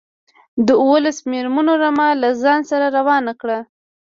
د اوولس مېرمنو رمه له ځان سره روانه کړه.